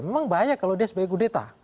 memang bahaya kalau dia sebagai kudeta